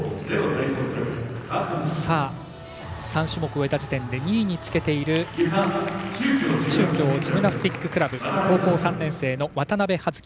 ３種目終えた時点で２位につけている中京ジムナスティッククラブ高校３年生の渡部葉月。